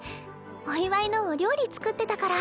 お祝いのお料理作ってたから。